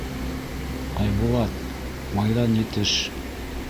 Айбулат, майҙан етеш.